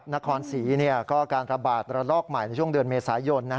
นครศรีก็การระบาดระลอกใหม่ในช่วงเดือนเมษายน